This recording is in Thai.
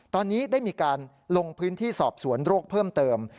ตอนนี้ได้มีการลงพื้นที่สอบสวนโรคเพิ่มเติม